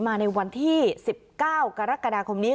มาในวันที่๑๙กรกฎาคมนี้